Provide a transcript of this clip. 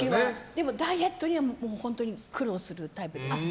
でもダイエットには本当に苦労するタイプです。